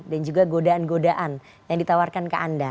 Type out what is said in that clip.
dan juga godaan godaan yang ditawarkan ke anda